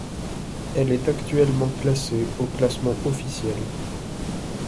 Elle est actuellement classée au classement officiel.